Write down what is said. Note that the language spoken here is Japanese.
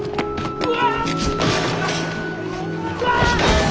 うわ！